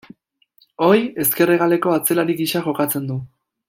Ohi, ezker hegaleko atzelari gisa jokatzen du.